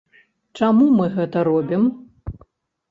Чаму мы гэта робім?